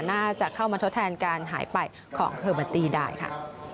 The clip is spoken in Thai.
น่าจะเข้ามาทดแทนการหายไปของเทอร์เบอร์ตี้ได้ค่ะ